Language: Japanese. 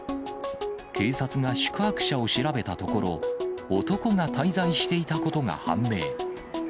警察が宿泊者を調べたところ、男が滞在していたことが判明。